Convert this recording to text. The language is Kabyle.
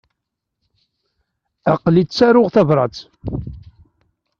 Aql-i ttaruɣ tabrat.